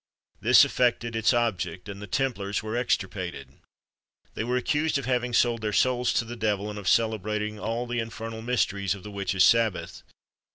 This effected its object, and the Templars were extirpated. They were accused of having sold their souls to the devil, and of celebrating all the infernal mysteries of the witches' sabbath.